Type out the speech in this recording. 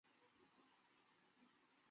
两层之间可通过电梯或扶梯前往。